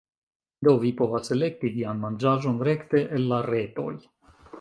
Do, vi povas elekti vian manĝaĵon rekte el la retoj